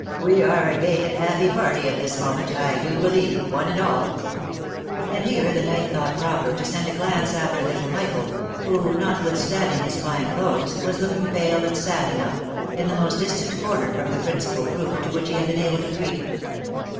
" We are a gay and happy party, at this moment, I do believe, one and all," and here the knight thought proper to send a glance after little Michael, who, notwithstanding his fine clothes, was looking pale and sad enough, in the most distant corner from the principal group to which he had been able to creep.